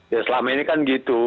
ya selama ini kan gitu